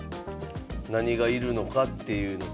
何が要るのかっていうのと。